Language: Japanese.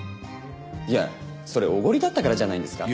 いやそれおごりだったからじゃないんですか？